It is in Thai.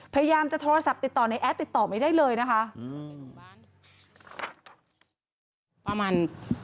พยายามจะโทรศัพท์ติดต่อในแอดฟัน